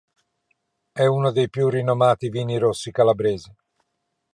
È uno dei più rinomati vini rossi calabresi.